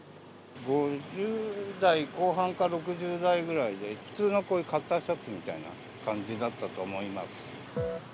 ５０代後半か６０代ぐらいで、普通のこういうカッターシャツみたいな感じだったと思います。